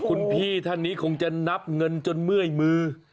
คุณพี่ท่านนี้คงจะนับเงินจนเมื่อยมือ